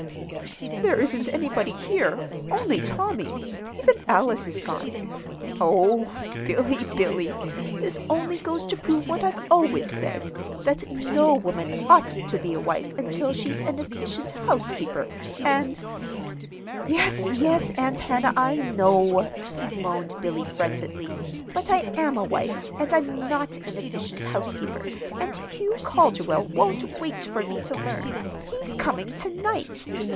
"There isn't anybody here, only Tommy. Even Alice is gone. Oh, Billy, Billy, this only goes to prove what I've always said, that no woman ought to be a wife until she's an efficient housekeeper; and " "Yes, yes, Aunt Hannah, I know," moaned Billy, frenziedly. "But I am a wife, and I'm not an efficient housekeeper; and Hugh Calderwell won't wait for me to learn. He's coming to night.